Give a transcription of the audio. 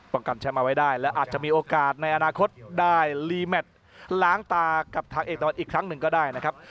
กันแชมป์เอาไว้ได้และอาจจะมีโอกาสในอนาคตได้รีแมทล้างตากับทางเอกตะวันอีกครั้งหนึ่งก็ได้นะครับ